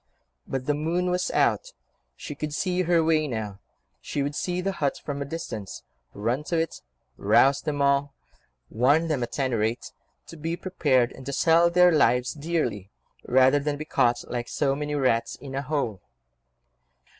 But the moon was out: she could see her way now: she would see the hut from a distance, run to it, rouse them all, warn them at any rate to be prepared and to sell their lives dearly, rather than be caught like so many rats in a hole.